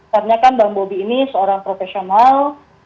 karena kan bang bobi ini seorang profesional